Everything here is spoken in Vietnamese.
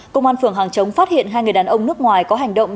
công an phường hàng chống phát hiện hai người đàn ông nước ngoài có hành động